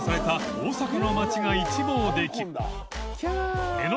大阪の町が一望でき稾椶